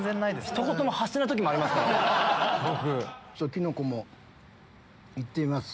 キノコも行ってみます。